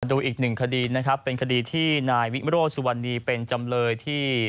ดูอีกหนึ่งคดีนะครับเป็นคดีที่นายวิโรธสุวรรณีเป็นจำเลยที่